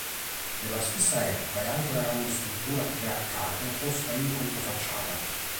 Della stessa epoca è anche la grande struttura a tre arcate posta in controfacciata.